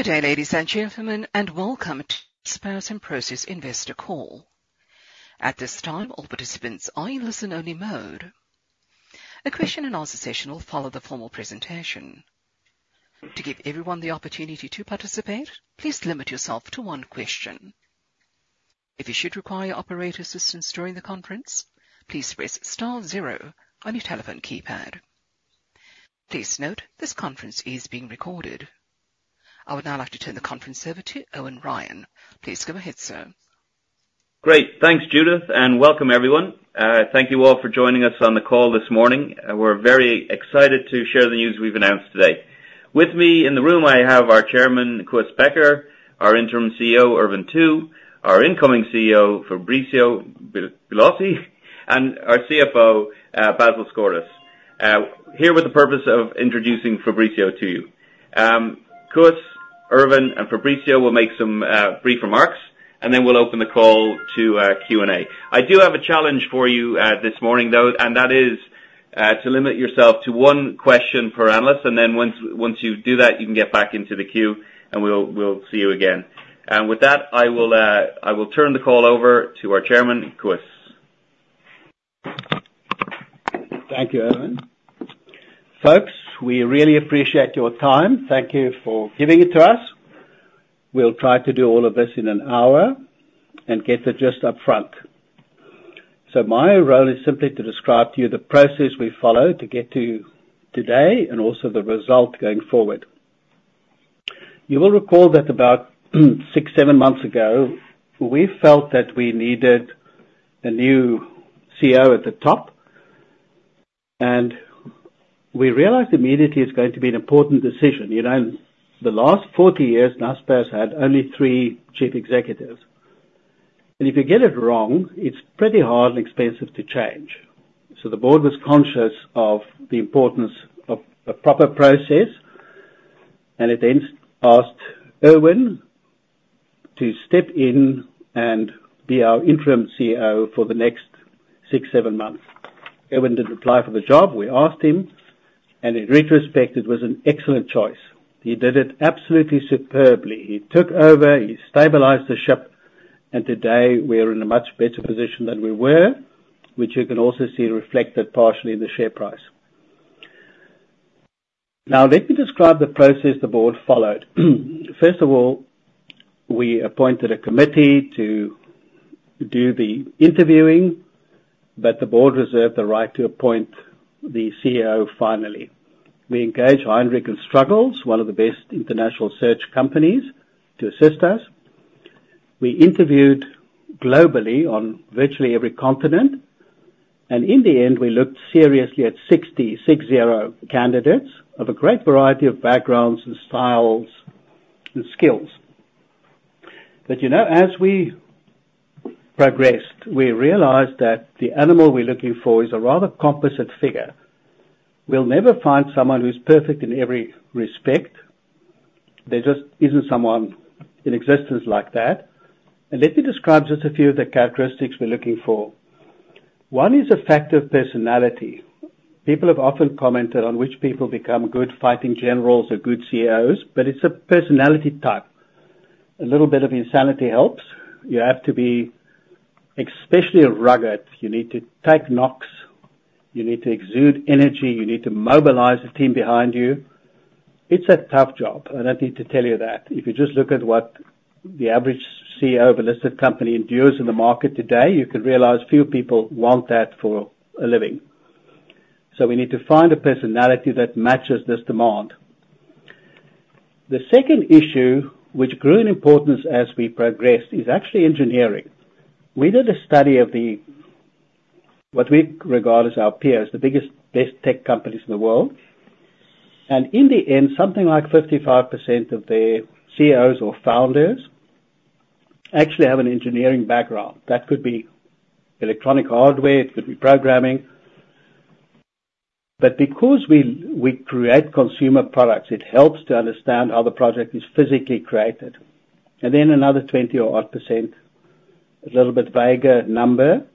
Good day, ladies and gentlemen, and welcome to Prosus Investor Call. At this time, all participants are in listen-only mode. A question and answer session will follow the formal presentation. To give everyone the opportunity to participate, please limit yourself to one question. If you should require operator assistance during the conference, please press star zero on your telephone keypad. Please note, this conference is being recorded. I would now like to turn the conference over to Eoin Ryan. Please go ahead, sir. Great. Thanks, Judith, and welcome, everyone. Thank you all for joining us on the call this morning. We're very excited to share the news we've announced today. With me in the room, I have our Chairman, Koos Bekker, our Interim CEO, Ervin Tu, our Incoming CEO, Fabricio Bloisi, and our CFO, Basil Sgourdos. Here with the purpose of introducing Fabricio to you. Koos, Ervin, and Fabricio will make some brief remarks, and then we'll open the call to Q&A. I do have a challenge for you this morning, though, and that is to limit yourself to one question per analyst, and then once you do that, you can get back into the queue, and we'll see you again. And with that, I will turn the call over to our Chairman, Koos. Thank you, Ervin. Folks, we really appreciate your time. Thank you for giving it to us. We'll try to do all of this in an hour and get the gist up front. So my role is simply to describe to you the process we followed to get to today and also the result going forward. You will recall that about 6-7 months ago, we felt that we needed a new CEO at the top, and we realized immediately it's going to be an important decision. You know, the last 40 years, Naspers had only three chief executives. And if you get it wrong, it's pretty hard and expensive to change. So the board was conscious of the importance of a proper process, and it then asked Ervin to step in and be our interim CEO for the next 6-7 months. Ervin didn't apply for the job. We asked him, and in retrospect, it was an excellent choice. He did it absolutely superbly. He took over, he stabilized the ship, and today we are in a much better position than we were, which you can also see reflected partially in the share price. Now, let me describe the process the board followed. First of all, we appointed a committee to do the interviewing, but the board reserved the right to appoint the CEO finally. We engaged Heidrick & Struggles, one of the best international search companies, to assist us. We interviewed globally on virtually every continent, and in the end, we looked seriously at 60 candidates of a great variety of backgrounds and styles and skills. But, you know, as we progressed, we realized that the animal we're looking for is a rather composite figure. We'll never find someone who's perfect in every respect. There just isn't someone in existence like that. And let me describe just a few of the characteristics we're looking for. One is a factor of personality. People have often commented on which people become good fighting generals or good CEOs, but it's a personality type. A little bit of insanity helps. You have to be especially rugged. You need to take knocks, you need to exude energy, you need to mobilize the team behind you. It's a tough job. I don't need to tell you that. If you just look at what the average CEO of a listed company endures in the market today, you could realize few people want that for a living. So we need to find a personality that matches this demand. The second issue, which grew in importance as we progressed, is actually engineering. We did a study of the... What we regard as our peers, the biggest, best tech companies in the world, and in the end, something like 55% of their CEOs or founders actually have an engineering background. That could be electronic hardware, it could be programming. But because we, we create consumer products, it helps to understand how the project is physically created. And then another 20-odd%, a little bit vaguer number,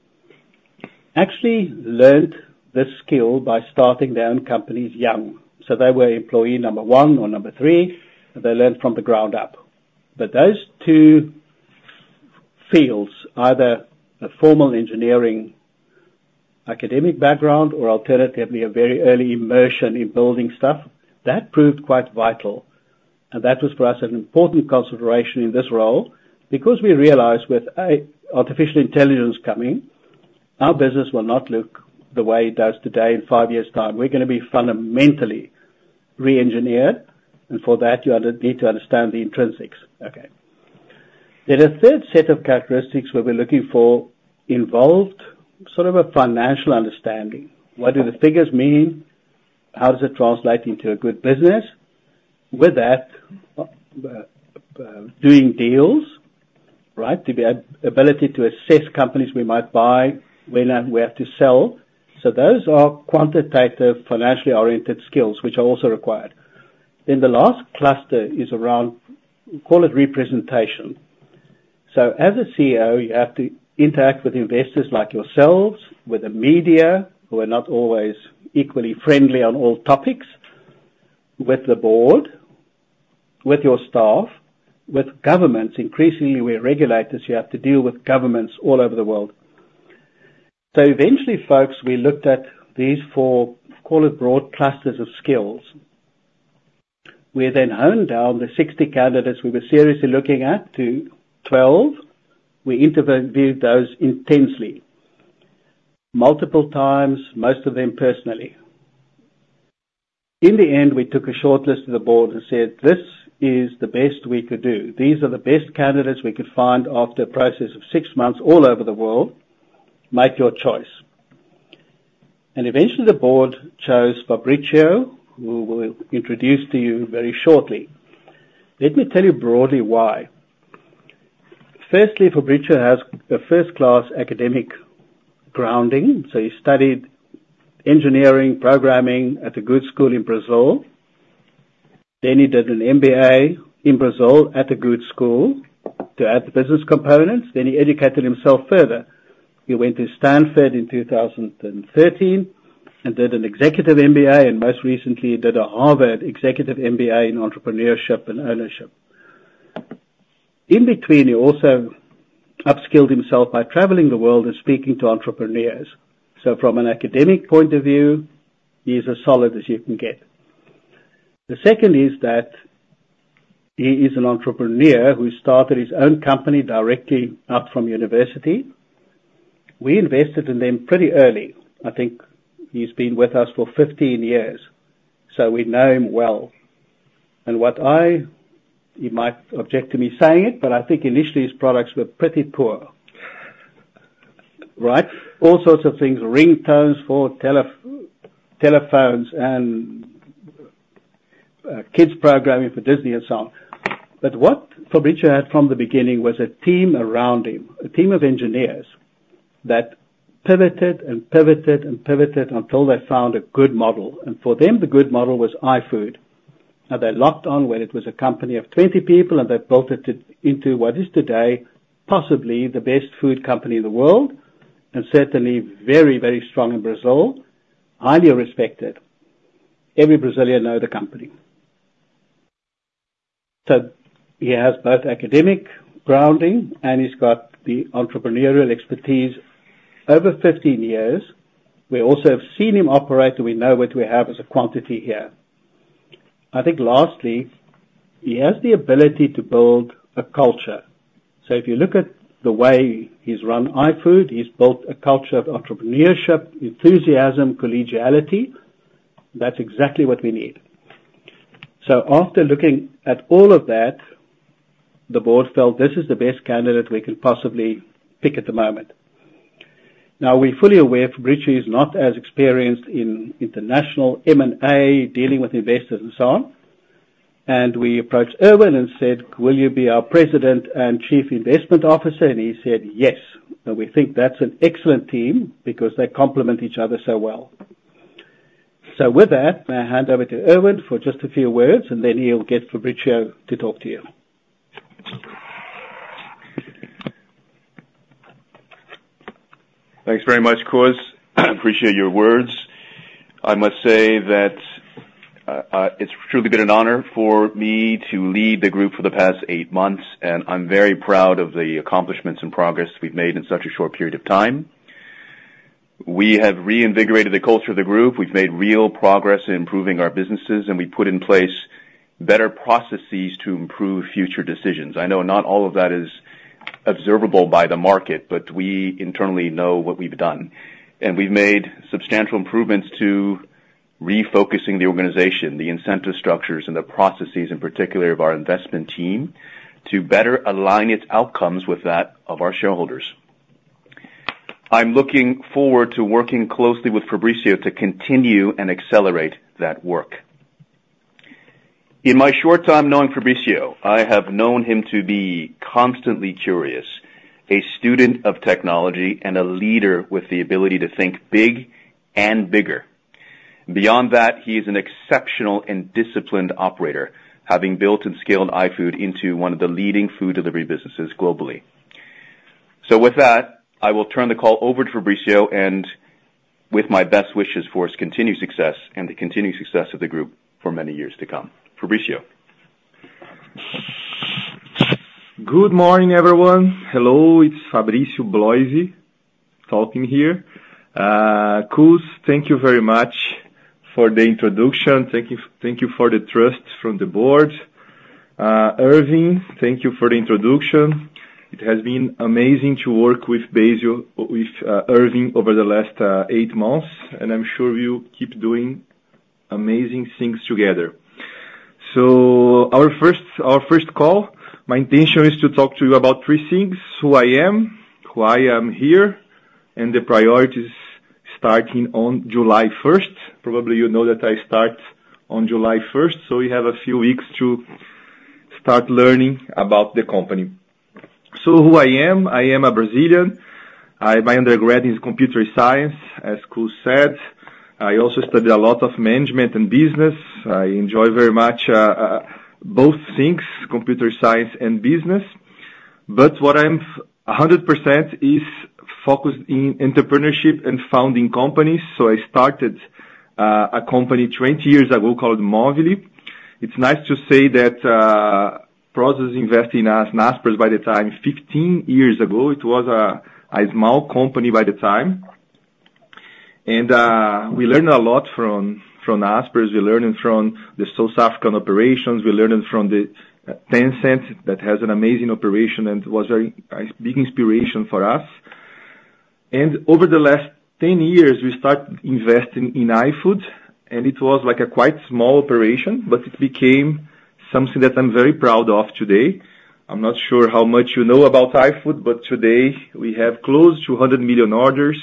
actually learnt this skill by starting their own companies young. So they were employee number 1 or number 3, and they learned from the ground up. But those two fields, either a formal engineering, academic background or alternatively, a very early immersion in building stuff, that proved quite vital. And that was, for us, an important consideration in this role because we realized with artificial intelligence coming, our business will not look the way it does today in five years' time. We're gonna be fundamentally reengineered, and for that, you need to understand the intrinsics. Okay. Then a third set of characteristics that we're looking for involved sort of a financial understanding. What do the figures mean? How does it translate into a good business? With that, doing deals, right? The ability to assess companies we might buy, when we have to sell. So those are quantitative, financially-oriented skills, which are also required. Then the last cluster is around, call it representation. So as a CEO, you have to interact with investors like yourselves, with the media, who are not always equally friendly on all topics, with the board, with your staff, with governments. Increasingly, we're regulators. You have to deal with governments all over the world. So eventually, folks, we looked at these four, call it, broad clusters of skills. We then honed down the 60 candidates we were seriously looking at to 12. We interviewed those intensely, multiple times, most of them personally. In the end, we took a short list to the board and said, "This is the best we could do. These are the best candidates we could find after a process of six months all over the world. Make your choice." And eventually, the board chose Fabricio, who we'll introduce to you very shortly. Let me tell you broadly why. Firstly, Fabricio has a first-class academic grounding, so he studied engineering, programming at a good school in Brazil. Then he did an MBA in Brazil at a good school to add the business components. Then he educated himself further. He went to Stanford in 2013 and did an executive MBA, and most recently, did a Harvard executive MBA in entrepreneurship and ownership. In between, he also upskilled himself by traveling the world and speaking to entrepreneurs. So from an academic point of view, he's as solid as you can get. The second is that he is an entrepreneur who started his own company directly out from university. We invested in them pretty early. I think he's been with us for 15 years, so we know him well. And what he might object to me saying it, but I think initially, his products were pretty poor. Right? All sorts of things, ringtones for telephones and kids' programming for Disney and so on. What Fabricio had from the beginning was a team around him, a team of engineers that pivoted and pivoted and pivoted until they found a good model. For them, the good model was iFood. Now, they locked on when it was a company of 20 people, and they built it into what is today, possibly the best food company in the world, and certainly very, very strong in Brazil, highly respected. Every Brazilian know the company. He has both academic grounding, and he's got the entrepreneurial expertise over 15 years. We also have seen him operate, and we know what we have as a quantity here. I think lastly, he has the ability to build a culture. If you look at the way he's run iFood, he's built a culture of entrepreneurship, enthusiasm, collegiality. That's exactly what we need. So after looking at all of that, the board felt this is the best candidate we could possibly pick at the moment. Now, we're fully aware Fabricio is not as experienced in international M&A, dealing with investors and so on. And we approached Ervin and said, "Will you be our President and Chief Investment Officer?" And he said, "Yes." And we think that's an excellent team because they complement each other so well. So with that, I hand over to Ervin for just a few words, and then he'll get Fabricio to talk to you. Thanks very much, Koos. I appreciate your words. I must say that it's truly been an honor for me to lead the group for the past eight months, and I'm very proud of the accomplishments and progress we've made in such a short period of time. We have reinvigorated the culture of the group. We've made real progress in improving our businesses, and we put in place better processes to improve future decisions. I know not all of that is observable by the market, but we internally know what we've done. And we've made substantial improvements to refocusing the organization, the incentive structures and the processes, in particular of our investment team, to better align its outcomes with that of our shareholders. I'm looking forward to working closely with Fabricio to continue and accelerate that work. In my short time knowing Fabricio, I have known him to be constantly curious, a student of technology, and a leader with the ability to think big and bigger. Beyond that, he is an exceptional and disciplined operator, having built and scaled iFood into one of the leading food delivery businesses globally. So with that, I will turn the call over to Fabricio, and with my best wishes for his continued success and the continued success of the group for many years to come. Fabricio? Good morning, everyone. Hello, it's Fabricio Bloisi talking here. Koos, thank you very much for the introduction. Thank you, thank you for the trust from the board. Ervin, thank you for the introduction. It has been amazing to work with Basil—with Ervin over the last eight months, and I'm sure we'll keep doing amazing things together. So our first call, my intention is to talk to you about three things: who I am, why I am here, and the priorities starting on July 1st. Probably, you know that I start on July 1st, so we have a few weeks to start learning about the company. So who I am, I am a Brazilian. I, my undergrad is computer science, as Koos said. I also studied a lot of management and business. I enjoy very much both things, computer science and business. But what I'm 100% is focused in entrepreneurship and founding companies. So I started a company 20 years ago called Movile. It's nice to say that Prosus invested in us, Naspers by the time, 15 years ago, it was a small company by the time. And we learned a lot from Naspers. We learned from the South African operations, we learned from the Tencent that has an amazing operation, and it was very, a big inspiration for us. And over the last 10 years, we start investing in iFood, and it was like a quite small operation, but it became something that I'm very proud of today. I'm not sure how much you know about iFood, but today we have close to 100 million orders,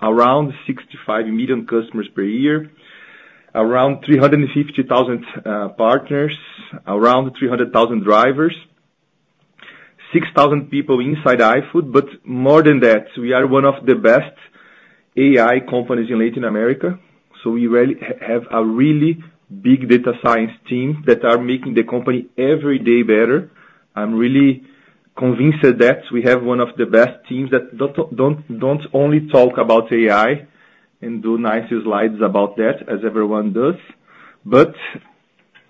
around 65 million customers per year, around 350,000 partners, around 300,000 drivers, 6,000 people inside iFood. But more than that, we are one of the best AI companies in Latin America, so we really have a really big data science team that are making the company every day better. I'm really convinced that we have one of the best teams that don't, don't only talk about AI and do nice slides about that, as everyone does, but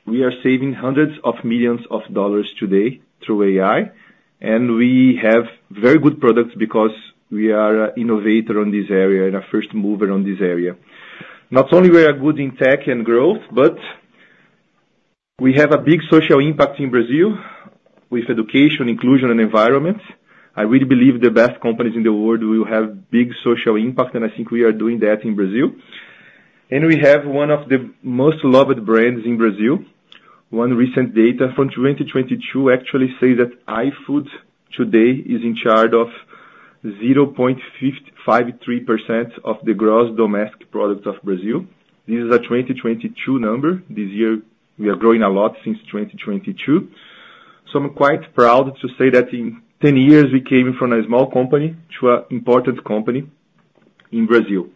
we are saving $hundreds of millions today through AI, and we have very good products because we are a innovator on this area and a first mover on this area. Not only we are good in tech and growth, but we have a big social impact in Brazil with education, inclusion, and environment. I really believe the best companies in the world will have big social impact, and I think we are doing that in Brazil. We have one of the most loved brands in Brazil. One recent data from 2022 actually say that iFood today is in charge of 0.553% of the gross domestic product of Brazil. This is a 2022 number. This year, we are growing a lot since 2022. I'm quite proud to say that in 10 years, we came from a small company to an important company in Brazil.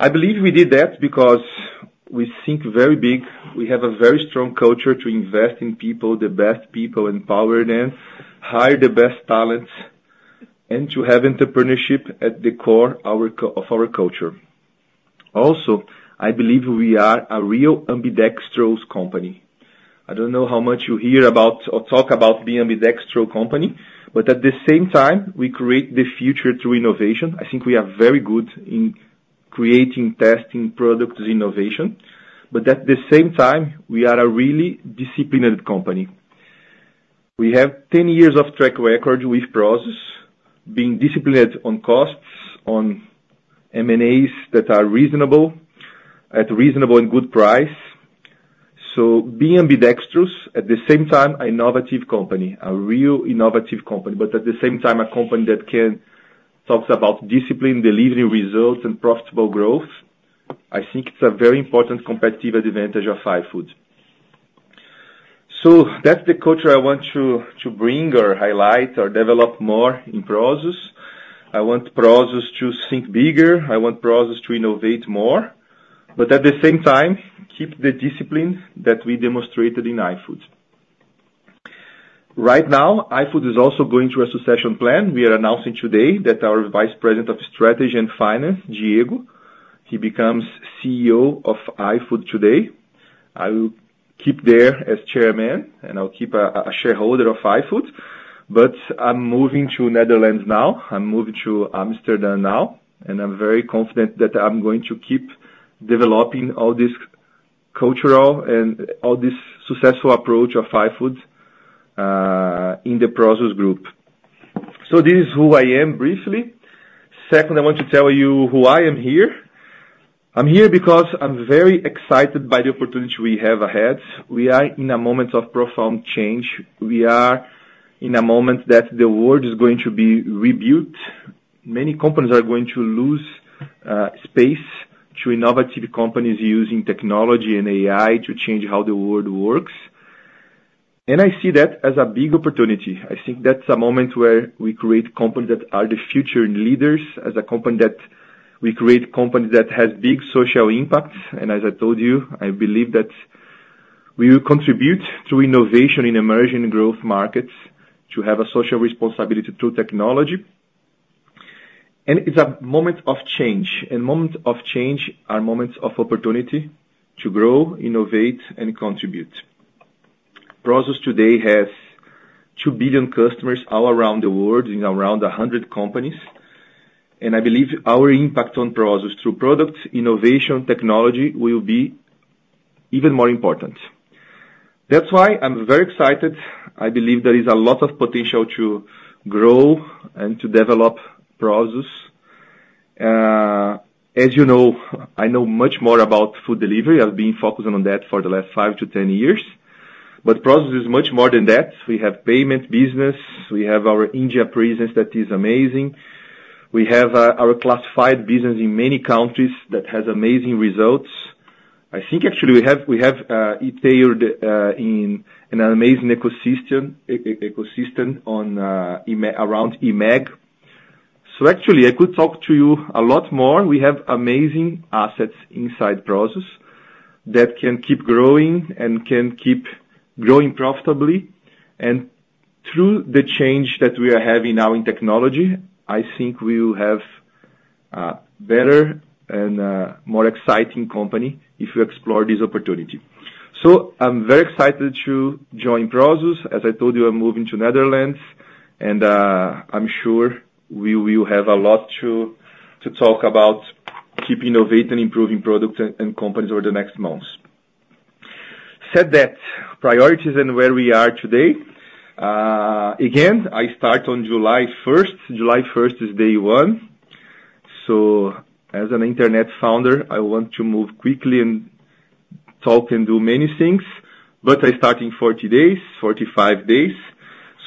I believe we did that because we think very big. We have a very strong culture to invest in people, the best people, empower them, hire the best talents, and to have entrepreneurship at the core of our culture. Also, I believe we are a real ambidextrous company. I don't know how much you hear about or talk about being ambidextrous company, but at the same time, we create the future through innovation. I think we are very good in creating, testing products innovation, but at the same time, we are a really disciplined company. We have 10 years of track record with Prosus, being disciplined on costs, on M&As that are reasonable, at reasonable and good price. So being ambidextrous, at the same time, an innovative company, a real innovative company, but at the same time, a company that can, talks about discipline, delivering results and profitable growth, I think it's a very important competitive advantage of iFood. So that's the culture I want to bring or highlight or develop more in Prosus. I want Prosus to think bigger, I want Prosus to innovate more, but at the same time, keep the discipline that we demonstrated in iFood. Right now, iFood is also going through a succession plan. We are announcing today that our Vice President of Strategy and Finance, Diego, he becomes CEO of iFood today. I will keep there as Chairman, and I'll keep a shareholder of iFood, but I'm moving to Netherlands now. I'm moving to Amsterdam now, and I'm very confident that I'm going to keep developing all this culture and all this successful approach of iFood in the Prosus Group. So this is who I am, briefly. Second, I want to tell you why I am here. I'm here because I'm very excited by the opportunity we have ahead. We are in a moment of profound change. We are in a moment that the world is going to be rebuilt. Many companies are going to lose space to innovative companies using technology and AI to change how the world works. And I see that as a big opportunity. I think that's a moment where we create companies that are the future leaders, as a company that... we create companies that has big social impact. As I told you, I believe that we will contribute to innovation in emerging growth markets to have a social responsibility through technology. It's a moment of change, and moment of change are moments of opportunity to grow, innovate, and contribute. Prosus today has 2 billion customers all around the world, in around 100 companies, and I believe our impact on Prosus through product innovation, technology, will be even more important. That's why I'm very excited. I believe there is a lot of potential to grow and to develop Prosus. As you know, I know much more about food delivery. I've been focusing on that for the last 5-10 years, but Prosus is much more than that. We have payment business, we have our India presence that is amazing. We have our classified business in many countries that has amazing results. I think actually we have detailed in an amazing ecosystem, ecosystem on eMAG, around eMAG. So actually, I could talk to you a lot more. We have amazing assets inside Prosus that can keep growing and can keep growing profitably. And through the change that we are having now in technology, I think we will have better and more exciting company if we explore this opportunity. So I'm very excited to join Prosus. As I told you, I'm moving to Netherlands, and I'm sure we will have a lot to talk about keeping innovate and improving products and companies over the next months. Said that, priorities and where we are today, again, I start on July 1st. July 1st is day one. As an internet founder, I want to move quickly and talk and do many things, but I start in 40 days, 45 days,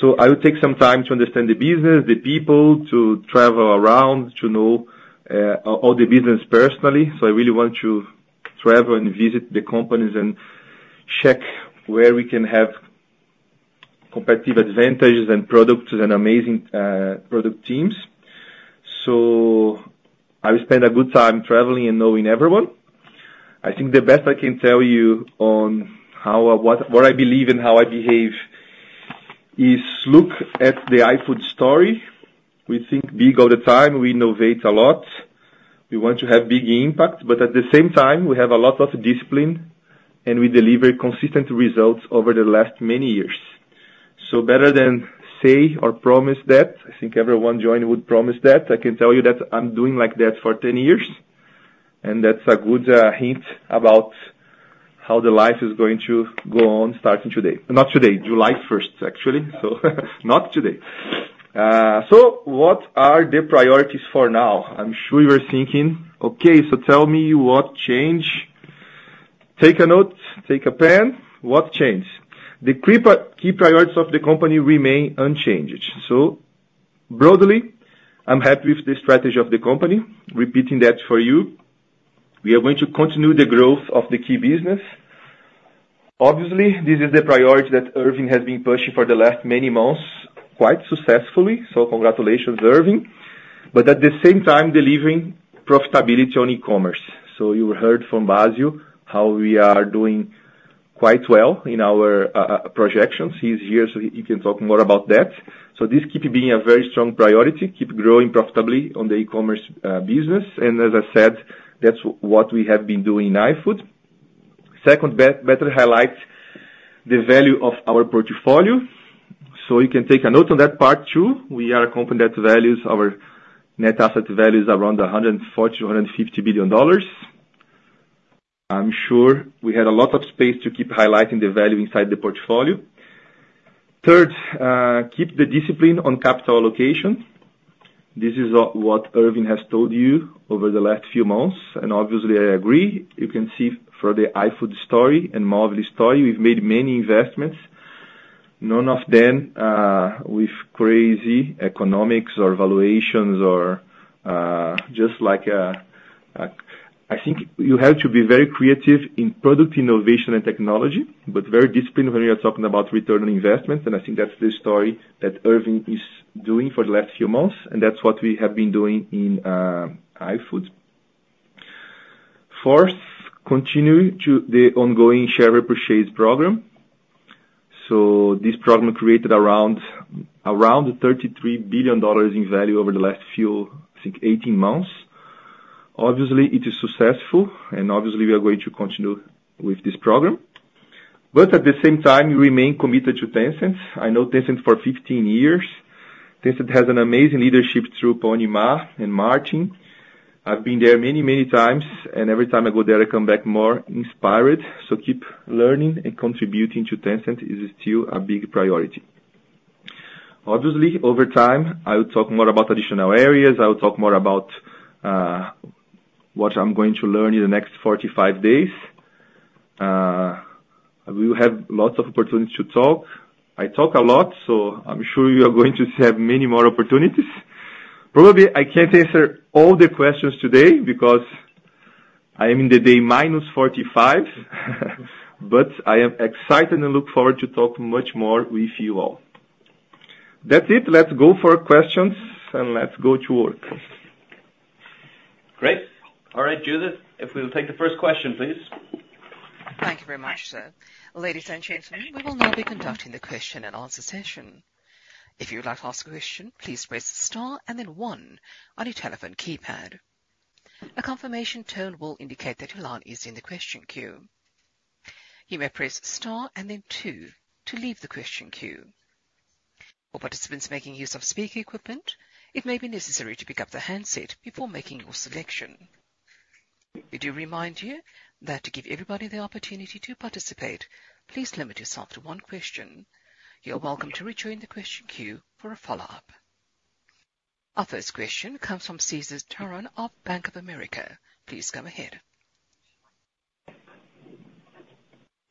so I will take some time to understand the business, the people, to travel around, to know all the business personally. So I really want to travel and visit the companies and check where we can have competitive advantages and products and amazing product teams. So I will spend a good time traveling and knowing everyone. I think the best I can tell you on how or what, what I believe and how I behave is look at the iFood story. We think big all the time. We innovate a lot. We want to have big impact, but at the same time, we have a lot of discipline, and we deliver consistent results over the last many years. So better than say or promise that, I think everyone joining would promise that. I can tell you that I'm doing like that for 10 years, and that's a good hint about how the life is going to go on starting today. Not today, July 1st, actually. So not today. So what are the priorities for now? I'm sure you are thinking, "Okay, so tell me what change?" Take a note, take a pen. What change? The key priorities of the company remain unchanged. So broadly, I'm happy with the strategy of the company. Repeating that for you. We are going to continue the growth of the key business. Obviously, this is the priority that Ervin has been pushing for the last many months, quite successfully. So congratulations, Ervin. But at the same time, delivering profitability on e-commerce. So you heard from Basil how we are doing quite well in our projections. He's here, so he can talk more about that. So this keep being a very strong priority, keep growing profitably on the e-commerce business. And as I said, that's what we have been doing in iFood. Second, better highlight the value of our portfolio. So you can take a note on that part, too. We are a company that values our net asset values around $140 billion-$150 billion. I'm sure we had a lot of space to keep highlighting the value inside the portfolio. Third, keep the discipline on capital allocation. This is what Ervin has told you over the last few months, and obviously, I agree. You can see from the iFood story and Movile story, we've made many investments, none of them with crazy economics or valuations or just like. I think you have to be very creative in product innovation and technology, but very disciplined when you are talking about return on investment. And I think that's the story that Ervin is doing for the last few months, and that's what we have been doing in iFood. Fourth, continue to the ongoing share repurchase program. So this program created around $33 billion in value over the last few, I think, 18 months. Obviously, it is successful, and obviously, we are going to continue with this program. But at the same time, we remain committed to Tencent. I know Tencent for 15 years. Tencent has an amazing leadership through Pony Ma and Martin. I've been there many, many times, and every time I go there, I come back more inspired. So keep learning and contributing to Tencent is still a big priority. Obviously, over time, I will talk more about additional areas. I will talk more about what I'm going to learn in the next 45 days. We will have lots of opportunities to talk. I talk a lot, so I'm sure you are going to have many more opportunities. Probably, I can't answer all the questions today because I am in the day minus 45, but I am excited and look forward to talk much more with you all. That's it. Let's go for questions, and let's go to work. Great. All right, Judith, if we'll take the first question, please. Thank you very much, sir. Ladies and gentlemen, we will now be conducting the question and answer session. If you would like to ask a question, please press star and then one on your telephone keypad. A confirmation tone will indicate that your line is in the question queue. You may press star and then two to leave the question queue. For participants making use of speaker equipment, it may be necessary to pick up the handset before making your selection. We do remind you that to give everybody the opportunity to participate, please limit yourself to one question. You're welcome to rejoin the question queue for a follow-up. Our first question comes from Cesar Tiron of Bank of America. Please go ahead....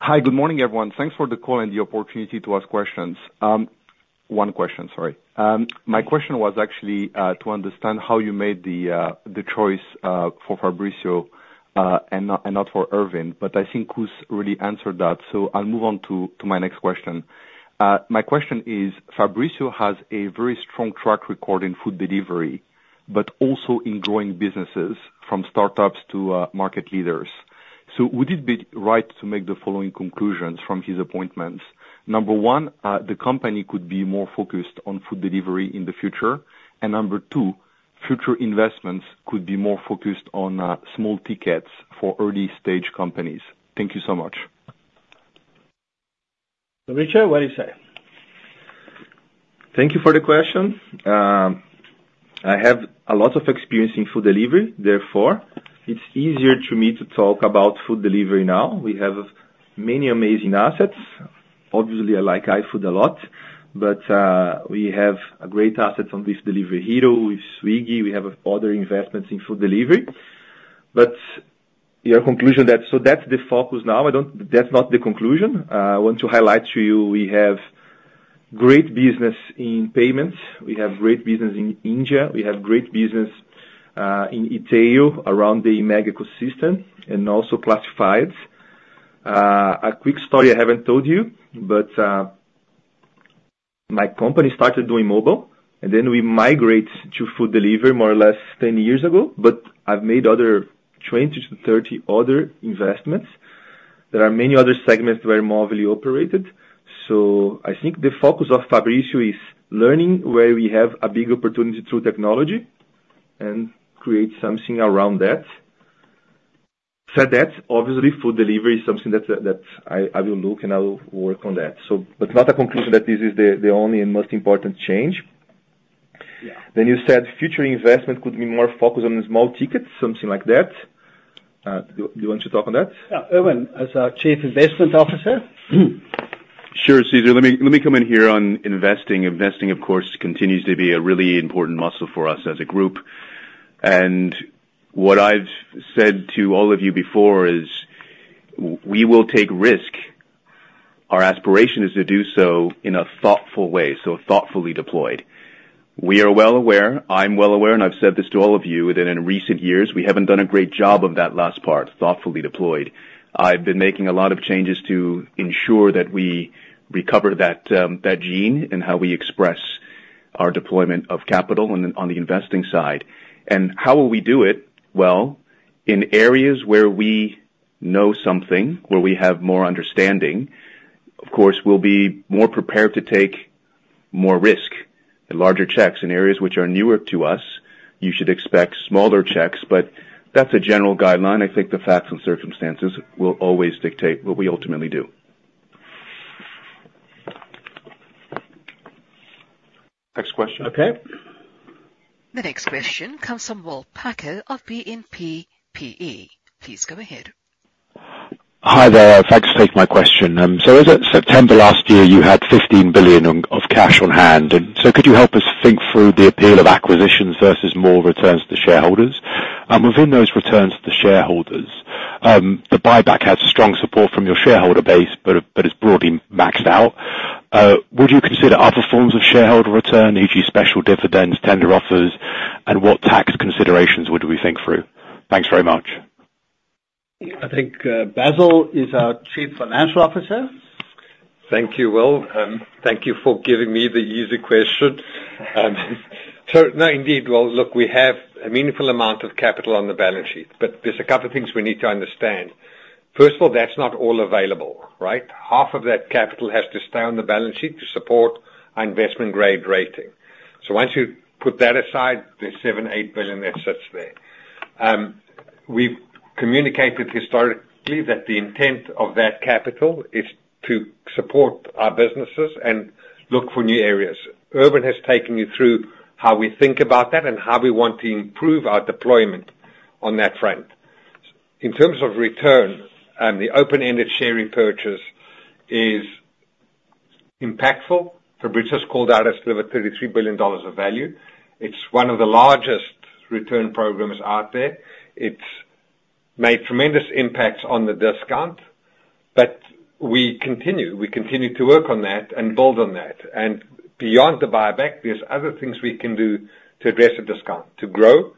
Hi, good morning, everyone. Thanks for the call and the opportunity to ask questions. One question, sorry. My question was actually to understand how you made the choice for Fabricio and not for Ervin. But I think Koos really answered that, so I'll move on to my next question. My question is, Fabricio has a very strong track record in food delivery, but also in growing businesses, from startups to market leaders. So would it be right to make the following conclusions from his appointments? Number one, the company could be more focused on food delivery in the future. And number two, future investments could be more focused on small tickets for early stage companies. Thank you so much. Fabricio, what do you say? Thank you for the question. I have a lot of experience in food delivery, therefore, it's easier to me to talk about food delivery now. We have many amazing assets. Obviously, I like iFood a lot, but we have a great asset from this Delivery Hero, with Swiggy, we have other investments in food delivery. But your conclusion that... So that's the focus now, that's not the conclusion. I want to highlight to you, we have great business in payments, we have great business in India, we have great business in eMAG, around the mega ecosystem and also classifieds. A quick story I haven't told you, but my company started doing mobile, and then we migrate to food delivery more or less 10 years ago, but I've made other 20-30 other investments. There are many other segments where Movile operated. So I think the focus of Fabricio is learning where we have a big opportunity through technology and create something around that. That said, obviously, food delivery is something that I will look and I will work on that. So but not a conclusion that this is the only and most important change. Yeah. Then you said future investment could be more focused on small tickets, something like that. Do you want to talk on that? Yeah. Ervin, as our Chief Investment Officer. Sure, Cesar, let me come in here on investing, of course, continues to be a really important muscle for us as a group. What I've said to all of you before is, we will take risk. Our aspiration is to do so in a thoughtful way, so thoughtfully deployed. We are well aware, I'm well aware, and I've said this to all of you, that in recent years, we haven't done a great job of that last part, thoughtfully deployed. I've been making a lot of changes to ensure that we recover that, that gene and how we express our deployment of capital on the, on the investing side. How will we do it? Well, in areas where we know something, where we have more understanding, of course, we'll be more prepared to take more risk and larger checks. In areas which are newer to us, you should expect smaller checks, but that's a general guideline. I think the facts and circumstances will always dictate what we ultimately do. Next question. Okay. The next question comes from Will Packer of BNP Paribas. Please go ahead. Hi there. Thanks for taking my question. So as at September last year, you had $15 billion of cash on hand. So could you help us think through the appeal of acquisitions versus more returns to shareholders? Within those returns to the shareholders, the buyback has strong support from your shareholder base, but it's broadly maxed out. Would you consider other forms of shareholder return, e.g. special dividends, tender offers, and what tax considerations would we think through? Thanks very much. I think, Basil is our Chief Financial Officer. Thank you, Will. Thank you for giving me the easy question. So no, indeed, well, look, we have a meaningful amount of capital on the balance sheet, but there's a couple things we need to understand. First of all, that's not all available, right? Half of that capital has to stay on the balance sheet to support our investment grade rating. So once you put that aside, there's $7-$8 billion that sits there. We've communicated historically that the intent of that capital is to support our businesses and look for new areas. Ervin has taken you through how we think about that and how we want to improve our deployment on that front. In terms of return, the open-ended share repurchase is impactful. Fabricio's called out as deliver $33 billion of value. It's one of the largest return programs out there. It's made tremendous impacts on the discount, but we continue to work on that and build on that. And beyond the buyback, there's other things we can do to address the discount, to grow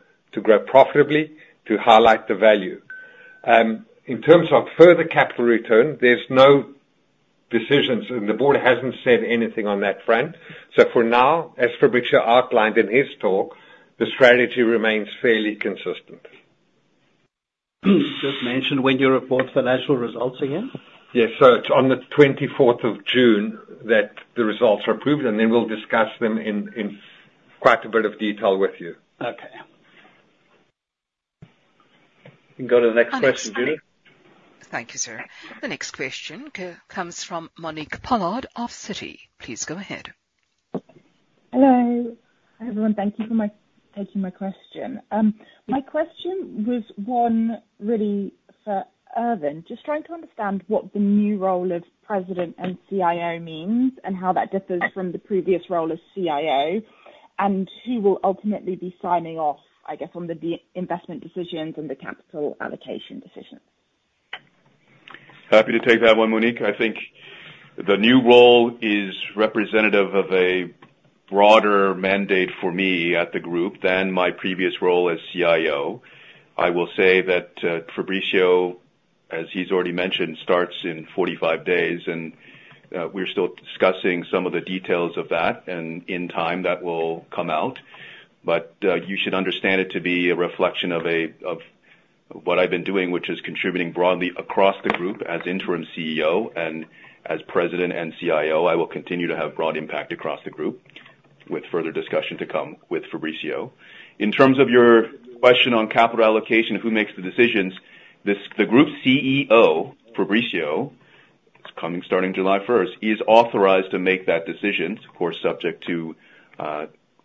profitably, to highlight the value. In terms of further capital return, there's no decisions, and the board hasn't said anything on that front. So for now, as Fabricio outlined in his talk, the strategy remains fairly consistent. Just mention when you report financial results again? Yes. So it's on the twenty-fourth of June that the results are approved, and then we'll discuss them in quite a bit of detail with you. Okay. You can go to the next question. Thank you, sir. The next question comes from Monique Pollard of Citi. Please go ahead. Hello. Hi, everyone, thank you for taking my question. My question was, one, really for Ervin. Just trying to understand what the new role of president and CIO means, and how that differs from the previous role as CIO? And who will ultimately be signing off, I guess, on the de-investment decisions and the capital allocation decisions? Happy to take that one, Monique. I think the new role is representative of a broader mandate for me at the group than my previous role as CIO. I will say that, Fabricio, as he's already mentioned, starts in 45 days, and, we're still discussing some of the details of that, and in time that will come out. But, you should understand it to be a reflection of what I've been doing, which is contributing broadly across the group as interim CEO and as President and CIO, I will continue to have broad impact across the group with further discussion to come with Fabricio. In terms of your question on capital allocation, who makes the decisions, the group CEO, Fabricio, coming starting July 1st, is authorized to make that decision, of course, subject to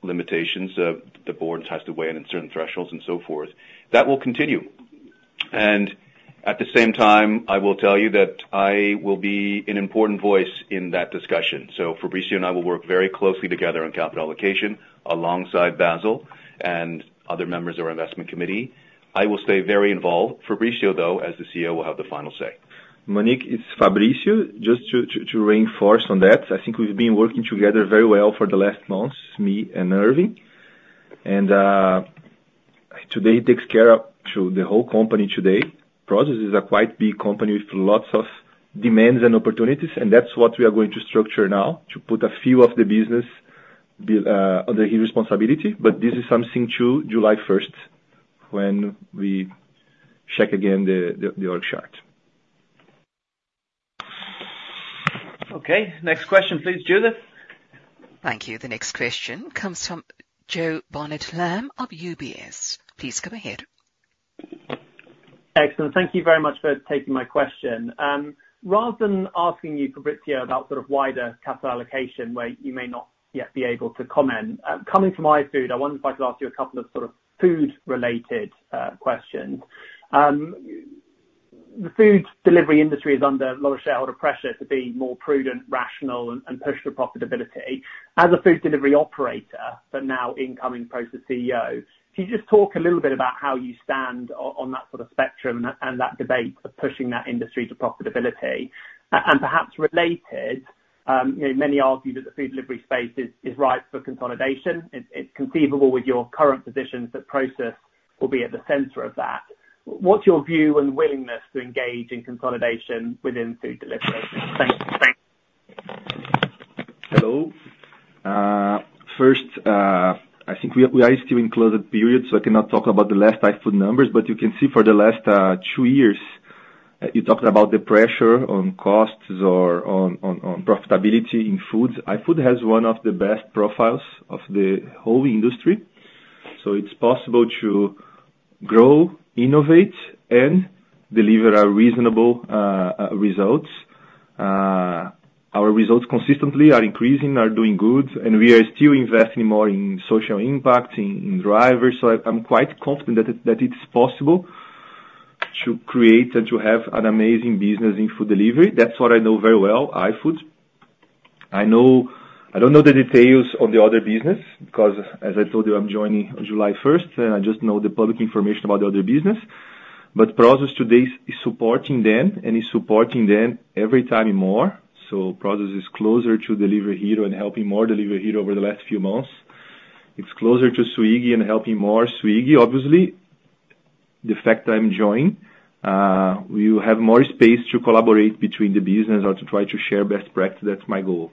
limitations. The board has to weigh in on certain thresholds and so forth. That will continue. And at the same time, I will tell you that I will be an important voice in that discussion. So Fabricio and I will work very closely together on capital allocation, alongside Basil and other members of our investment committee. I will stay very involved. Fabricio, though, as the CEO, will have the final say. Monique, it's Fabricio. Just to reinforce on that, I think we've been working together very well for the last months, me and Ervin. And today, he takes care of the whole company today. Prosus is a quite big company with lots of demands and opportunities, and that's what we are going to structure now, to put a few of the businesses under his responsibility. But this is something to July 1st when we check again the org chart. Okay, next question, please, Judith. Thank you. The next question Please go ahead. Excellent. Thank you very much for taking my question. Rather than asking you, Fabricio, about sort of wider capital allocation, where you may not yet be able to comment, coming from iFood, I wondered if I could ask you a couple of sort of food-related questions. The food delivery industry is under a lot of shareholder pressure to be more prudent, rational, and push for profitability. As a food delivery operator, but now incoming Prosus CEO, can you just talk a little bit about how you stand on that sort of spectrum and that debate of pushing that industry to profitability? And perhaps related, you know, many argue that the food delivery space is ripe for consolidation. It's conceivable with your current positions, that Prosus will be at the center of that. What's your view and willingness to engage in consolidation within food delivery? Thank you. Hello. First, I think we are still in closing period, so I cannot talk about the last iFood numbers, but you can see for the last two years, you talked about the pressure on costs or on profitability in foods. iFood has one of the best profiles of the whole industry, so it's possible to grow, innovate, and deliver our reasonable results. Our results consistently are increasing, are doing good, and we are still investing more in social impact, in drivers. So I'm quite confident that it's possible to create and to have an amazing business in food delivery. That's what I know very well, iFood. I know... I don't know the details of the other business, because as I told you, I'm joining on July 1st, and I just know the public information about the other business. But Prosus today is supporting them, and is supporting them every time more. So Prosus is closer to Delivery Hero and helping more Delivery Hero over the last few months. It's closer to Swiggy and helping more Swiggy. Obviously, the fact I'm joining, we will have more space to collaborate between the business or to try to share best practice. That's my goal.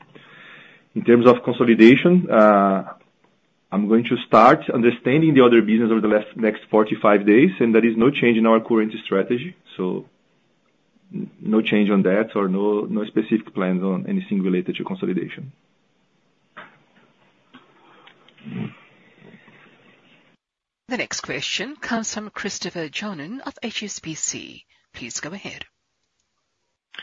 In terms of consolidation, I'm going to start understanding the other business over the next 45 days, and there is no change in our current strategy. So no change on that or no, no specific plans on anything related to consolidation. The next question comes from Christopher Johnen of HSBC. Please go ahead.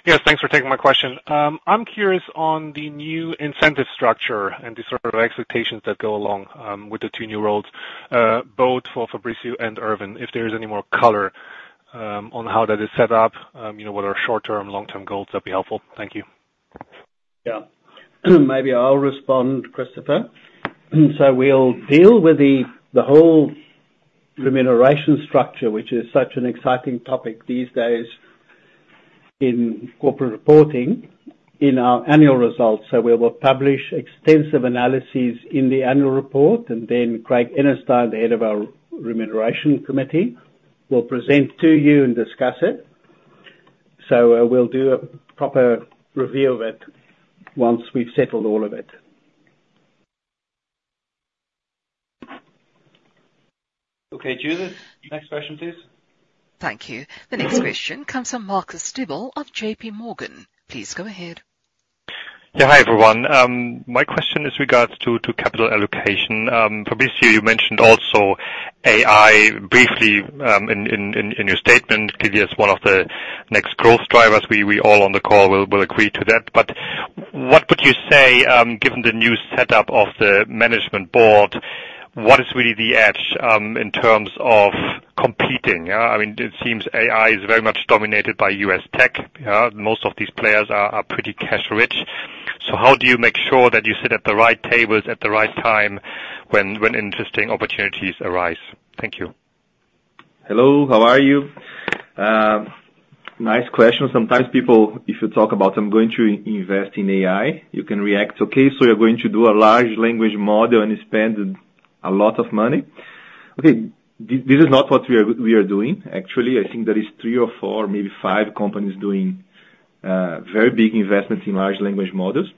Yes, thanks for taking my question. I'm curious on the new incentive structure and the sort of expectations that go along with the two new roles, both for Fabricio and Ervin. If there is any more color on how that is set up, you know, what are short-term, long-term goals, that'd be helpful. Thank you. Yeah. Maybe I'll respond, Christopher. So we'll deal with the whole remuneration structure, which is such an exciting topic these days in corporate reporting, in our annual results. So we will publish extensive analyses in the annual report, and then Craig Enenstein, the head of our Remuneration Committee, will present to you and discuss it. So we'll do a proper review of it once we've settled all of it. Okay, Judith, next question, please. Thank you. The next question comes from Marcus Diebel of J.P. Morgan. Please go ahead. Yeah, hi, everyone. My question is regards to capital allocation. Fabricio, you mentioned also AI briefly, in your statement, clearly as one of the next growth drivers. We all on the call will agree to that, but what would you say, given the new setup of the management board?... what is really the edge in terms of competing, yeah? I mean, it seems AI is very much dominated by US tech, yeah. Most of these players are pretty cash rich. So how do you make sure that you sit at the right tables at the right time when interesting opportunities arise? Thank you. Hello, how are you? Nice question. Sometimes people, if you talk about them going to invest in AI, you can react, "Okay, so you're going to do a large language model and spend a lot of money." Okay, this is not what we are, we are doing. Actually, I think there is three or four, maybe five companies doing very big investments in large language models.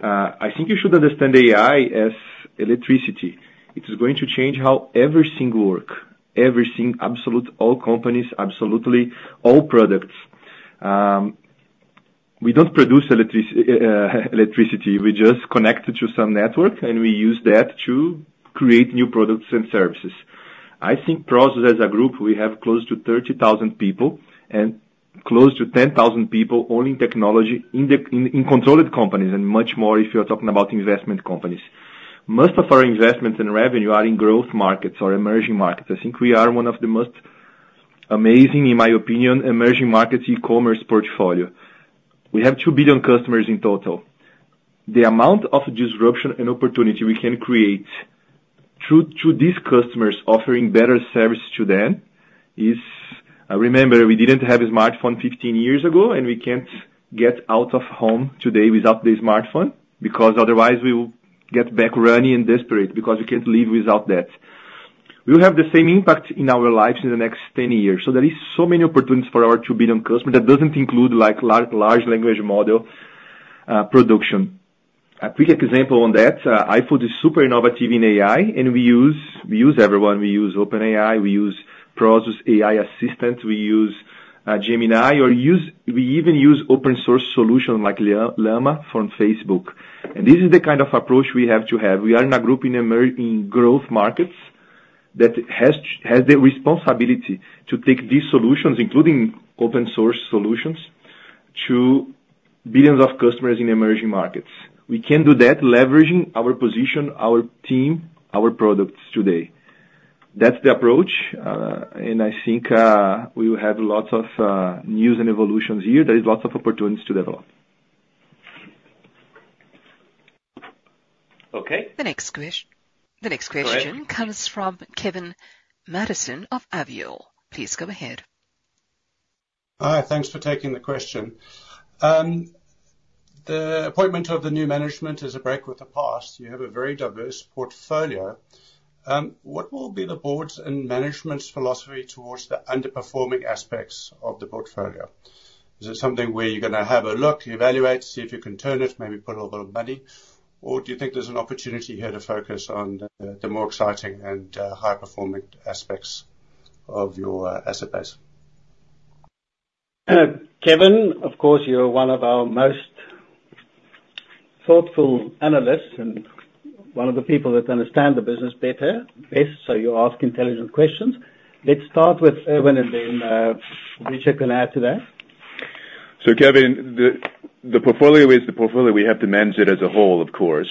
I think you should understand AI as electricity. It is going to change how everything work, everything absolutely, all companies, absolutely all products. We don't produce electricity, we just connect it to some network, and we use that to create new products and services. I think Prosus, as a group, we have close to 30,000 people, and close to 10,000 people only in technology, in the controlled companies, and much more if you're talking about investment companies. Most of our investments in revenue are in growth markets or emerging markets. I think we are one of the most amazing, in my opinion, emerging markets e-commerce portfolio. We have 2 billion customers in total. The amount of disruption and opportunity we can create through, through these customers, offering better service to them, is... Remember, we didn't have a smartphone 15 years ago, and we can't get out of home today without the smartphone, because otherwise we will get back running and desperate because we can't live without that. We will have the same impact in our lives in the next 10 years. So there is so many opportunities for our 2 billion customers that doesn't include, like, large language model production. A quick example on that, iFood is super innovative in AI, and we use, we use everyone. We use OpenAI, we use Prosus AI Assistant, we use Gemini, we even use open source solution like Llama from Facebook. And this is the kind of approach we have to have. We are in a group in growth markets, that has the responsibility to take these solutions, including open source solutions, to billions of customers in emerging markets. We can do that, leveraging our position, our team, our products today. That's the approach, and I think we will have lots of news and evolutions here. There is lots of opportunities to develop. Okay. The next question- Go ahead. -comes from Kevin Mattison of Avior. Please go ahead. Hi, thanks for taking the question. The appointment of the new management is a break with the past. You have a very diverse portfolio. What will be the board's and management's philosophy towards the underperforming aspects of the portfolio? Is it something where you're gonna have a look, evaluate, see if you can turn it, maybe put a little money? Or do you think there's an opportunity here to focus on the, the more exciting and, high-performing aspects of your, asset base? Kevin, of course, you're one of our most thoughtful analysts and one of the people that understand the business better, best, so you ask intelligent questions. Let's start with Ervin, and then, Fabricio can add to that. So, Kevin, the portfolio is the portfolio. We have to manage it as a whole, of course.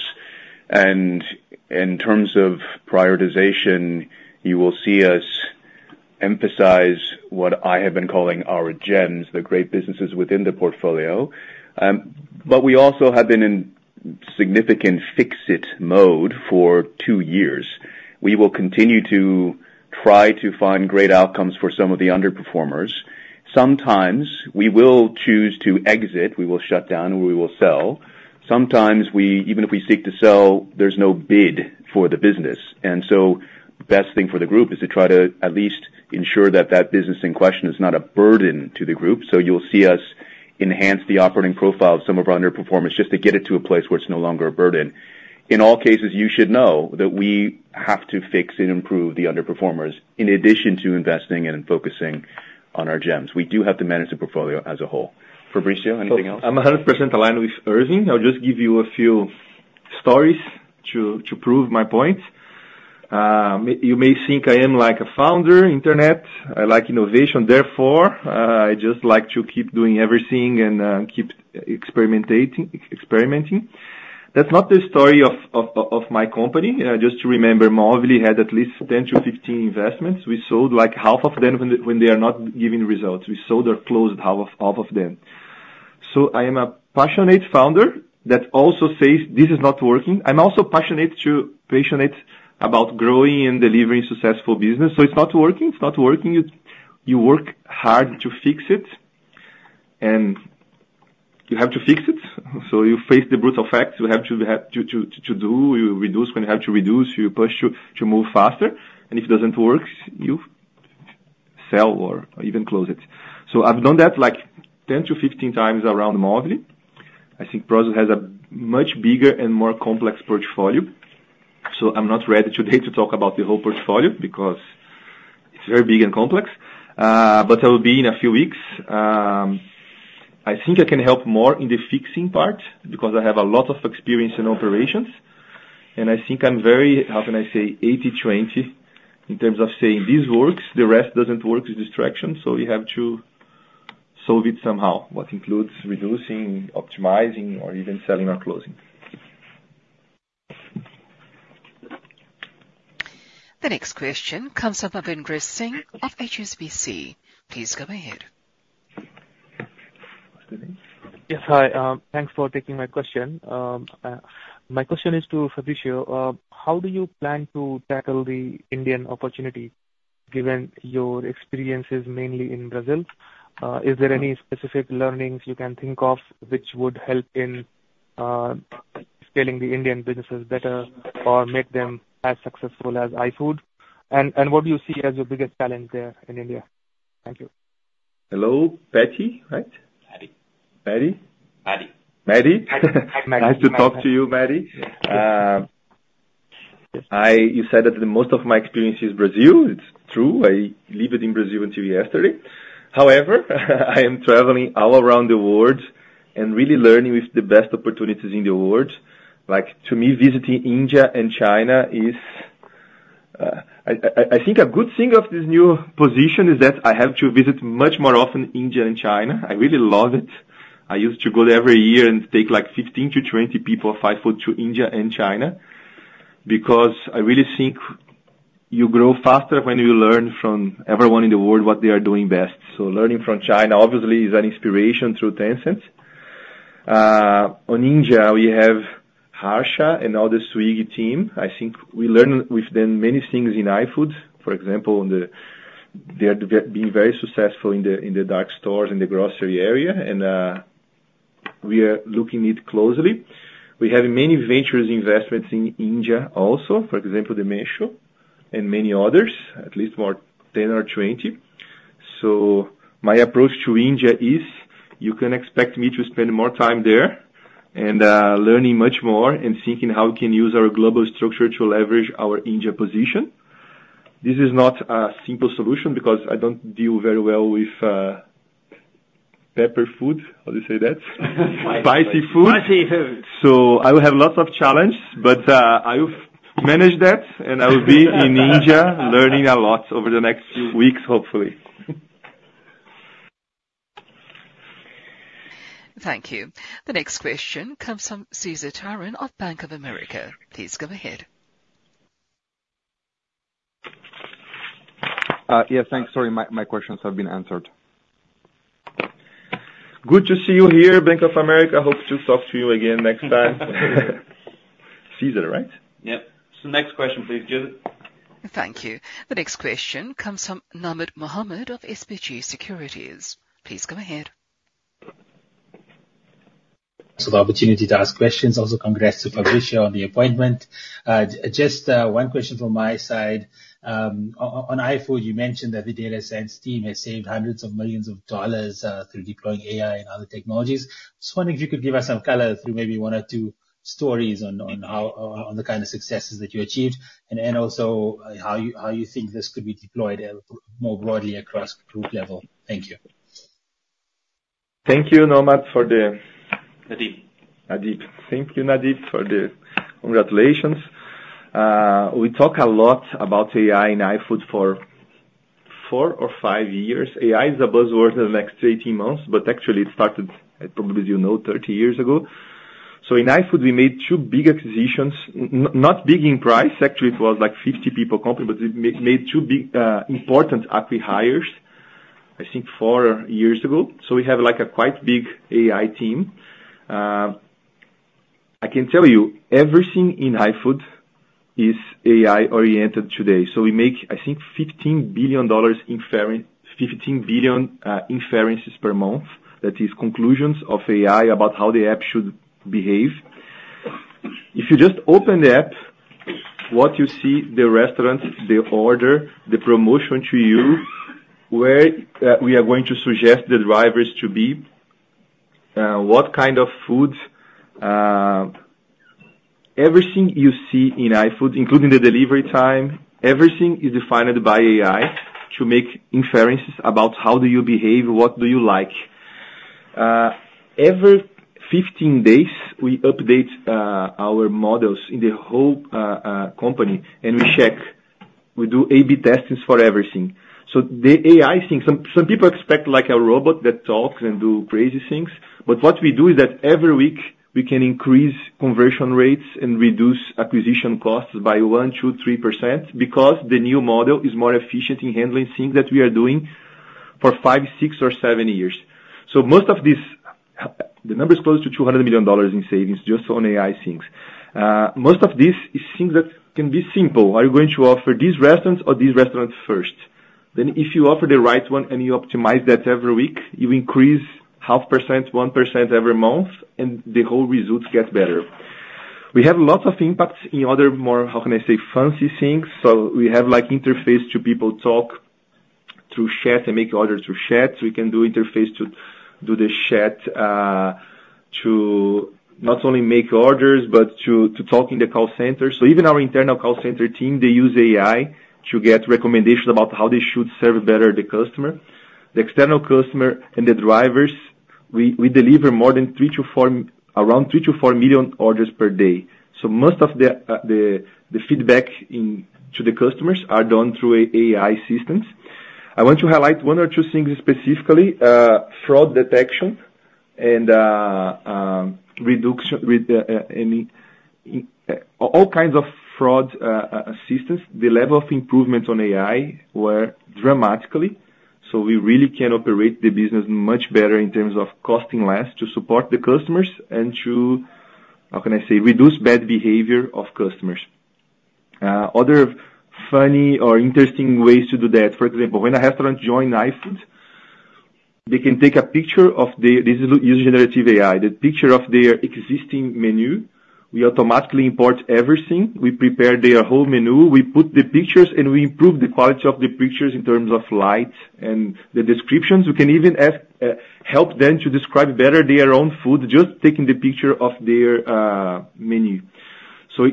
In terms of prioritization, you will see us emphasize what I have been calling our gems, the great businesses within the portfolio. But we also have been in significant fix-it mode for two years. We will continue to try to find great outcomes for some of the underperformers. Sometimes we will choose to exit, we will shut down, or we will sell. Sometimes we even if we seek to sell, there's no bid for the business, and so the best thing for the group is to try to at least ensure that that business in question is not a burden to the group. So you'll see us enhance the operating profile of some of our underperformers, just to get it to a place where it's no longer a burden. In all cases, you should know that we have to fix and improve the underperformers, in addition to investing and focusing on our gems. We do have to manage the portfolio as a whole. Fabricio, anything else? I'm 100% aligned with Ervin. I'll just give you a few stories to prove my point. You may think I am like a founder, internet. I like innovation, therefore, I just like to keep doing everything and keep experimenting. That's not the story of my company. Just to remember, Movile had at least 10-15 investments. We sold, like, half of them when they are not giving results. We sold or closed half of them. So I am a passionate founder that also says, "This is not working." I'm also passionate to, passionate about growing and delivering successful business. So it's not working, it's not working, you work hard to fix it, and you have to fix it. So you face the brutal facts. You have to, have to, to do... You reduce when you have to reduce, you push to, to move faster, and if it doesn't work, you sell or even close it. So I've done that, like, 10-15 times around Movile. I think Prosus has a much bigger and more complex portfolio, so I'm not ready today to talk about the whole portfolio because it's very big and complex. But I will be in a few weeks. I think I can help more in the fixing part, because I have a lot of experience in operations, and I think I'm very... how can I say? 80/20 in terms of saying, "This works, the rest doesn't work, it's distraction," so you have to-... solve it somehow, what includes reducing, optimizing, or even selling or closing. The next question comes from Matti of HSBC. Please go ahead. Yes, hi. Thanks for taking my question. My question is to Fabricio. How do you plan to tackle the Indian opportunity, given your experiences mainly in Brazil? Is there any specific learnings you can think of which would help in scaling the Indian businesses better or make them as successful as iFood? And what do you see as your biggest challenge there in India? Thank you. Hello, Patty, right? Matti. Matti? Matti. Matti. Hi, Matti. Nice to talk to you, Matti. You said that the most of my experience is Brazil. It's true, I lived in Brazil until yesterday. However, I am traveling all around the world and really learning with the best opportunities in the world. Like, to me, visiting India and China is. I think a good thing of this new position is that I have to visit much more often India and China. I really love it. I used to go there every year and take, like, 15-20 people, five to India and five to China, because I really think you grow faster when you learn from everyone in the world, what they are doing best. Learning from China obviously is an inspiration through Tencent. On India, we have Harsha and all the Swiggy team. I think we learn with them many things in iFood. For example, they are being very successful in the, in the dark stores, in the grocery area, and we are looking it closely. We have many ventures, investments in India also, for example, the Meesho and many others, at least more 10 or 20. So my approach to India is, you can expect me to spend more time there and learning much more and thinking how we can use our global structure to leverage our India position. This is not a simple solution because I don't deal very well with pepper food. How do you say that? Spicy food. Spicy food. I will have lots of challenge, but I will manage that, and I will be in India learning a lot over the next weeks, hopefully. Thank you. The next question comes from César Tiron of Bank of America. Please go ahead. Yes, thanks. Sorry, my questions have been answered. Good to see you here, Bank of America. Hope to talk to you again next time. Cesar, right? Yep. So next question, please, Judy. Thank you. The next question comes from Nadim Mohamed of SBG Securities. Please go ahead. So the opportunity to ask questions, also congrats to Fabricio on the appointment. Just, one question from my side, on iFood, you mentioned that the data science team has saved $hundreds of millions through deploying AI and other technologies. Just wondering if you could give us some color through maybe one or two stories on how or on the kind of successes that you achieved, and then also how you think this could be deployed more broadly across group level. Thank you. Thank you, Nadim, for the- Nadeep. Nadim. Thank you, Nadim, for the congratulations. We talk a lot about AI in iFood for 4 or 5 years. AI is a buzzword in the next 18 months, but actually it started, probably, you know, 30 years ago. So in iFood, we made two big acquisitions. Not big in price, actually, it was like 50 people company, but we made two big, important acquihires, I think 4 years ago. So we have, like, a quite big AI team. I can tell you, everything in iFood is AI-oriented today. So we make, I think, 15 billion inferences per month. That is conclusions of AI about how the app should behave. If you just open the app, what you see, the restaurant, the order, the promotion to you, where we are going to suggest the drivers to be, what kind of foods, everything you see in iFood, including the delivery time, everything is defined by AI to make inferences about how do you behave, what do you like. Every 15 days, we update our models in the whole company, and we check. We do A/B testing for everything. So the AI thing, some, some people expect like a robot that talks and do crazy things, but what we do is that every week, we can increase conversion rates and reduce acquisition costs by 1, 2, 3% because the new model is more efficient in handling things that we are doing for 5, 6 or 7 years. So most of this, the number is close to $200 million in savings just on AI things. Most of this, it seems that can be simple. Are you going to offer this restaurant or this restaurant first? Then if you offer the right one and you optimize that every week, you increase 0.5%, 1% every month, and the whole results get better. We have lots of impacts in other more, how can I say, fancy things. So we have, like, interface to people talk through chat and make orders through chat. We can do interface to do the chat, to not only make orders, but to talk in the call center. So even our internal call center team, they use AI to get recommendations about how they should serve better the customer. The external customer and the drivers... We deliver more than 3-4, around 3-4 million orders per day. So most of the feedback into the customers are done through AI systems. I want to highlight one or two things specifically, fraud detection and reduction within all kinds of fraud instances. The level of improvement on AI were dramatically, so we really can operate the business much better in terms of costing less to support the customers and to, how can I say, reduce bad behavior of customers. Other funny or interesting ways to do that, for example, when a restaurant join iFood, they can take a picture of their.... This is using generative AI, the picture of their existing menu. We automatically import everything. We prepare their whole menu, we put the pictures, and we improve the quality of the pictures in terms of light and the descriptions. We can even ask help them to describe better their own food, just taking the picture of their menu. So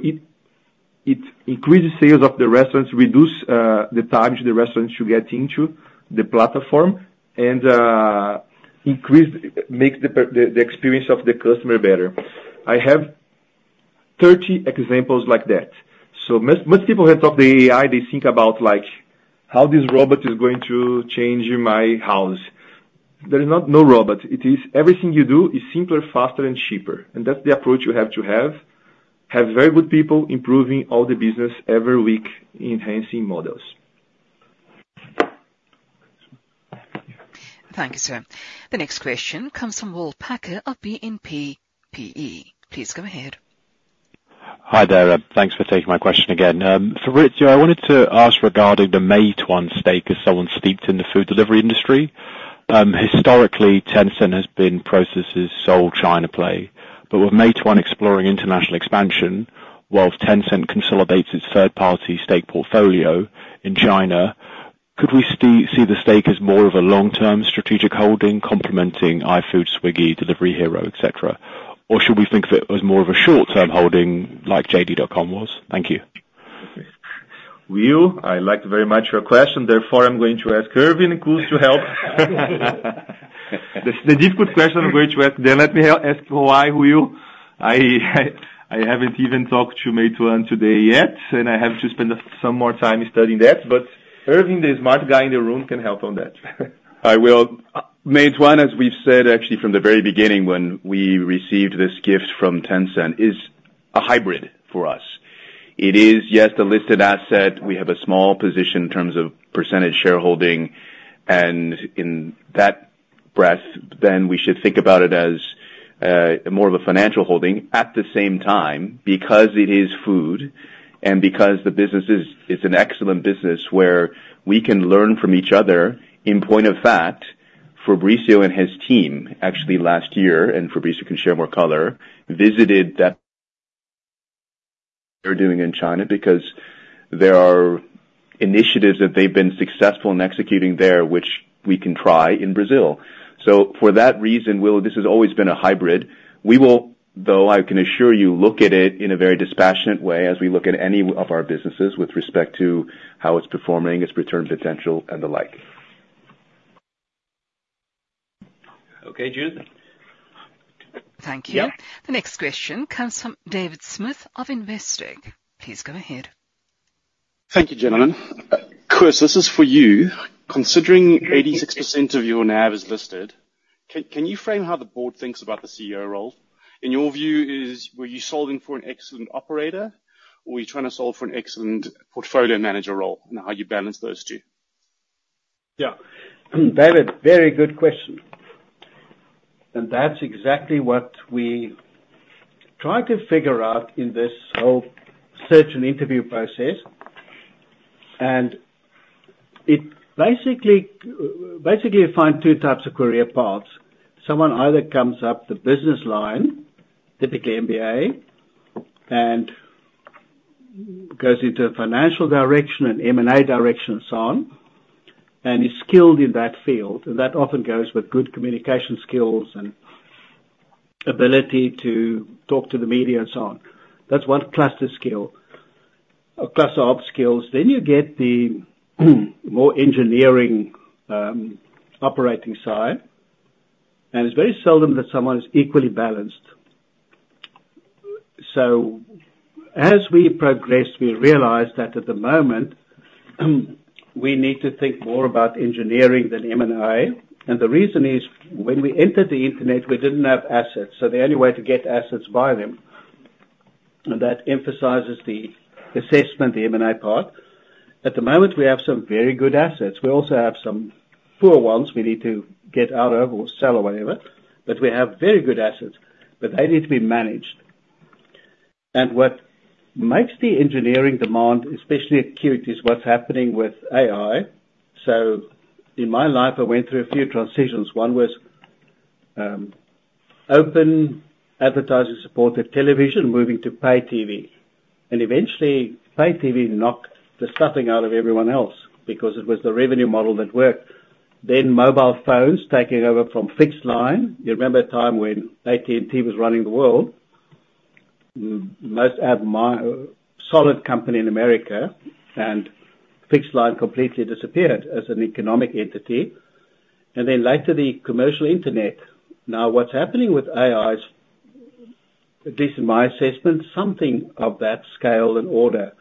it increases sales of the restaurants, reduce the time to the restaurants to get into the platform, and increase. Make the experience of the customer better. I have 30 examples like that. So most people have talked the AI, they think about, like, how this robot is going to change my house. There is not no robot, it is everything you do is simpler, faster, and cheaper, and that's the approach you have to have. Have very good people improving all the business every week, enhancing models. Thank you, sir. The next question comes from Will Packer of BNP PE. Please go ahead. Hi there. Thanks for taking my question again. So Fabricio, I wanted to ask regarding the Meituan stake as someone steeped in the food delivery industry. Historically, Tencent has been Prosus's sole China play, but with Meituan exploring international expansion, while Tencent consolidates its third-party stake portfolio in China, could we see the stake as more of a long-term strategic holding, complementing iFood, Swiggy, Delivery Hero, et cetera? Or should we think of it as more of a short-term holding, like JD.com was? Thank you. Will, I like very much your question, therefore, I'm going to ask Ervin and Koos to help. That's the difficult question, well, then let me ask why, Will. I haven't even talked to Meituan today yet, and I have to spend some more time studying that, but Ervin, the smart guy in the room, can help on that. Hi, Will. Meituan, as we've said, actually from the very beginning when we received this gift from Tencent, is a hybrid for us. It is, yes, a listed asset. We have a small position in terms of percentage shareholding, and in that regard, then we should think about it as more of a financial holding. At the same time, because it is food, and because the business is, it's an excellent business where we can learn from each other. In point of fact, Fabricio and his team, actually last year, and Fabricio can share more color, visited that... They're doing in China because there are initiatives that they've been successful in executing there, which we can try in Brazil. So for that reason, Will, this has always been a hybrid. We will, though I can assure you, look at it in a very dispassionate way as we look at any of our businesses with respect to how it's performing, its return potential, and the like. Okay, Judith? Thank you. Yeah. The next question comes from David Smith of Investec. Please go ahead. Thank you, gentlemen. Koos, this is for you. Considering 86% of your NAV is listed, can you frame how the board thinks about the CEO role? In your view, were you solving for an excellent operator, or were you trying to solve for an excellent portfolio manager role, and how you balance those two? Yeah, David, very good question. That's exactly what we tried to figure out in this whole search and interview process. It basically you find two types of career paths. Someone either comes up the business line, typically MBA, and goes into a financial direction, and M&A direction, and so on, and is skilled in that field. That often goes with good communication skills and ability to talk to the media and so on. That's one cluster skill, or cluster of skills. Then you get the more engineering, operating side, and it's very seldom that someone is equally balanced. As we progressed, we realized that at the moment, we need to think more about engineering than M&A. And the reason is, when we entered the internet, we didn't have assets, so the only way to get assets, buy them, and that emphasizes the assessment, the M&A part. At the moment, we have some very good assets. We also have some poor ones we need to get out of or sell or whatever, but we have very good assets, but they need to be managed. And what makes the engineering demand, especially acute, is what's happening with AI. So in my life, I went through a few transitions. One was open advertising-supported television, moving to pay TV. And eventually, pay TV knocked the stuffing out of everyone else because it was the revenue model that worked. Then mobile phones taking over from fixed line. You remember a time when AT&T was running the world?... Most admired, solid company in America, and fixed line completely disappeared as an economic entity, and then later, the commercial internet. Now, what's happening with AI is, at least in my assessment, something of that scale and order.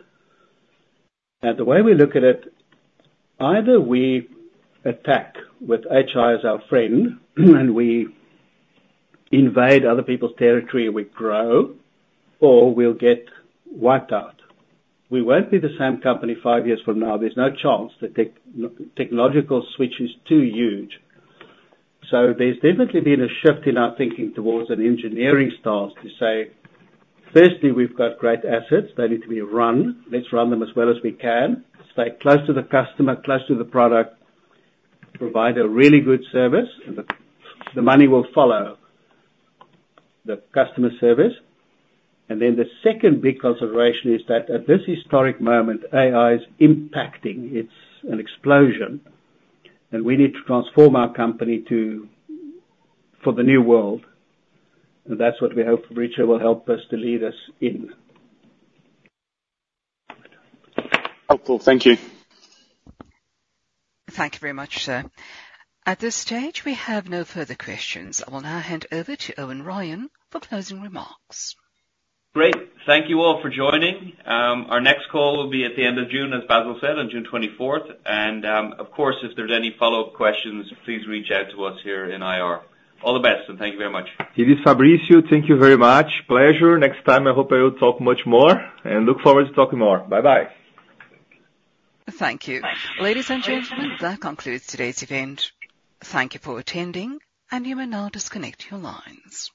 Now, the way we look at it, either we attack with AI as our friend, and we invade other people's territory and we grow, or we'll get wiped out. We won't be the same company five years from now. There's no chance. The technological switch is too huge. So there's definitely been a shift in our thinking towards an engineering stance to say: firstly, we've got great assets. They need to be run. Let's run them as well as we can. Stay close to the customer, close to the product, provide a really good service, and the money will follow the customer service. And then the second big consideration is that at this historic moment, AI is impacting. It's an explosion, and we need to transform our company to... for the new world, and that's what we hope Fabricio will help us to lead us in. Helpful. Thank you. Thank you very much, sir. At this stage, we have no further questions. I will now hand over to Eoin Ryan for closing remarks. Great. Thank you all for joining. Our next call will be at the end of June, as Basil said, on June twenty-fourth. Of course, if there's any follow-up questions, please reach out to us here in IR. All the best, and thank you very much. It is Fabricio. Thank you very much. Pleasure. Next time, I hope I will talk much more and look forward to talking more. Bye-bye. Thank you. Ladies and gentlemen, that concludes today's event. Thank you for attending, and you may now disconnect your lines.